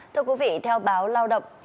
thưa quý vị theo báo lao động